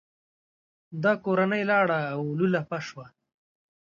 دا کورنۍ لاړه او لولپه شوه.